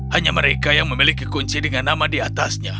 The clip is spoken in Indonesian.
hanya mereka yang memiliki kunci dengan nama di atasnya